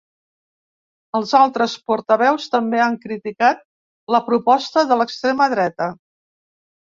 Els altres portaveus també han criticat la proposta de l’extrema dreta.